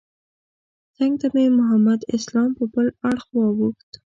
څنګ ته مې محمد اسلام په بل اړخ واوښت.